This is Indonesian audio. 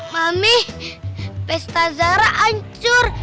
mami pesta zara hancur